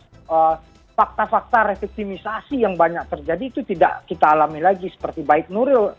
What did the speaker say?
karena fakta fakta reviktimisasi yang banyak terjadi itu tidak kita alami lagi seperti baik nuril